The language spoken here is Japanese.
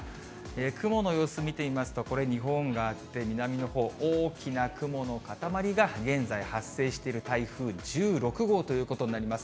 雲の様子見てみますと、これ日本があって、南のほう、大きな雲の固まりが現在発生している台風１６号ということになります。